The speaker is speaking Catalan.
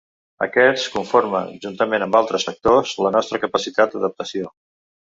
Aquests conformen, juntament amb altres factors, la nostra capacitat d'adaptació.